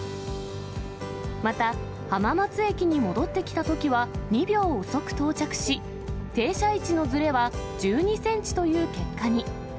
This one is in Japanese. また、浜松駅に戻ってきたときには、２秒遅く到着し、停車位置のずれは１２センチという結果に。